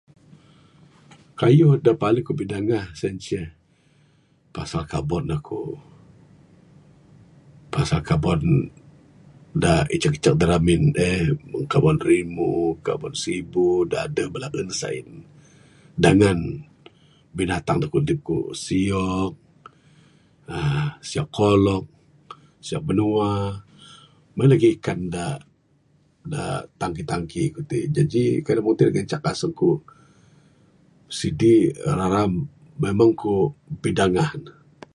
Kayuh da paling aku bidangah nuh sien inceh pasal kabon aku pasal kabon da icuk-icuk da ramin en kabon rimu, kabon sibu da adeh da ain. Dangan binatang da kudip ku siyok uhh siyok kolok siyok binua mung en lagih ikan da tangki-tangki ku ti, jaji kayuh da mung ti ngancak aku asung ku sidi uhh raram memang ku bidangah.